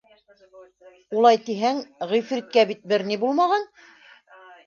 Улай тиһәң, Ғифриткә бит бер ни булмаған.